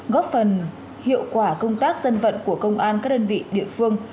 góp phần hiệu quả công tác dân vận của công an các đơn vị địa phương